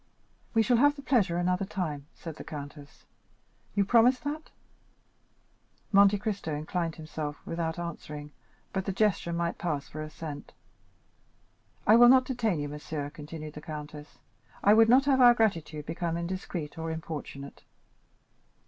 "We shall have the pleasure another time," said the countess; "you promise that?" Monte Cristo inclined himself without answering, but the gesture might pass for assent. "I will not detain you, monsieur," continued the countess; "I would not have our gratitude become indiscreet or importunate."